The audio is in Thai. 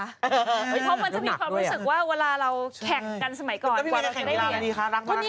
เหมือนหนักด้วยเหรอเพราะมันจะมีความรู้สึกว่าเวลาเราแขกกันสมัยก่อน